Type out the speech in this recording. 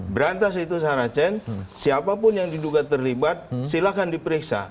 berantas itu saracen siapapun yang diduga terlibat silahkan diperiksa